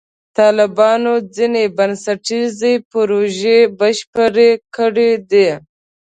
طالبانو ځینې بنسټیزې پروژې بشپړې کړې دي.